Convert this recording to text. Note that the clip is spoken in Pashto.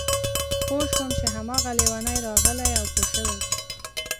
پوه شوم چې هماغه لېونی راغلی او پوه شوی دی